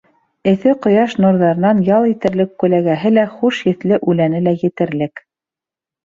Эҫе ҡояш нурҙарынан ял итерлек күләгәһе лә, хуш еҫле үләне лә етерлек.